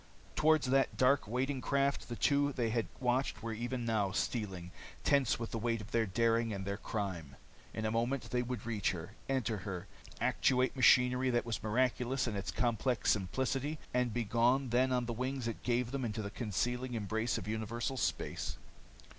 Towards that dark, waiting craft the two they had watched were even now stealing, tense with the weight of their daring and their crime. In a moment they would reach her, enter her, actuate machinery that was miraculous in its complex simplicity, and be gone then on the wings it gave them into the concealing embrace of universal space.